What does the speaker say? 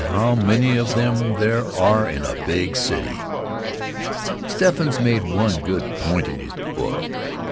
how many of them there are in a big city! Steffens made one good point in his book.